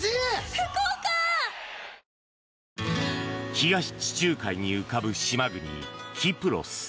東地中海に浮かぶ島国キプロス。